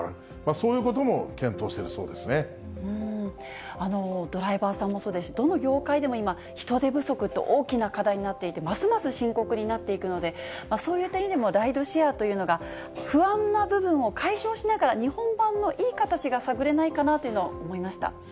そういうことも検討しているそうドライバーさんもそうですし、どの業界でも今、人手不足って大きな課題になっていて、ますます深刻になっていくので、そういう点でもライドシェアというのが、不安な部分を解消しながら、日本版のいい形が探れないかなというのを思いました。